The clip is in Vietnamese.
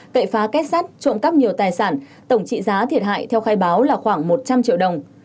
cậy phá kết sắt trộm cắp nhiều tài sản tổng trị giá thiệt hại theo khai báo là khoảng một trăm linh triệu đồng